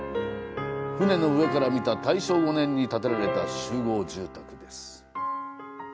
船の上から見た大正５年に建てられた集合住宅です。